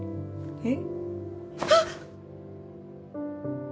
えっ？